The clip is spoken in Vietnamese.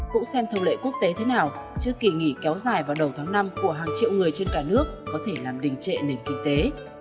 cũng xem thông lệ quốc tế thế nào chứ kỳ nghỉ kéo dài vào đầu tháng năm của hàng triệu người trên cả nước có thể làm đình trệ nền kinh tế